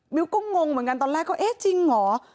มิวก็งงเหมือนกันตอนแรกก็เอ๊ะจริงเหรอ